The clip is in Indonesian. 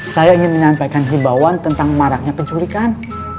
saya ingin menyampaikan himbauan tentang maraknya penculikan